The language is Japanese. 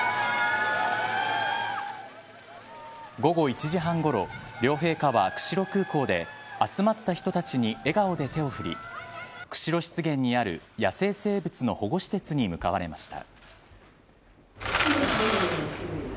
午後１時半ごろ両陛下は釧路空港で集まった人たちに笑顔で手を振り釧路湿原にある野生生物の保護施設に向かわれました。